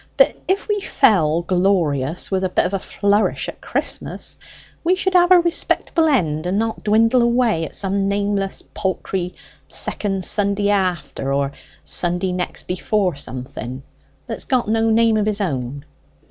But if we fell glorious with a bit of a flourish at Christmas, we should have a respectable end, and not dwindle away at some nameless paltry second Sunday after or Sunday next before something, that's got no name of his own."